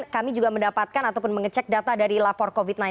kami juga mendapatkan ataupun mengecek data dari lapor covid sembilan belas